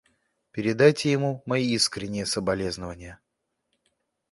Передайте ему мои искренние соболезнования.